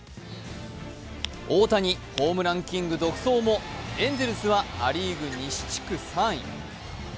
大谷、ホームランキング独走もエンゼルスはア・リーグ東地区３位。